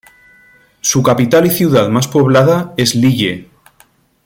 Su capital y ciudad más poblada es Lille.